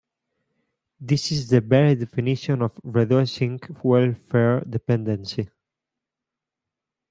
This is the very definition of reducing welfare dependency.